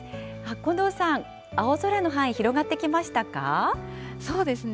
近藤さん、青空の範囲、広がってそうですね。